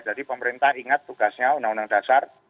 jadi pemerintah ingat tugasnya undang undang dasar